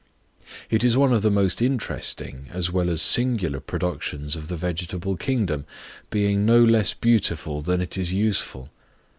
It is one of the most interesting, as well as singular productions of the vegetable kingdom, being no less beautiful than it is useful.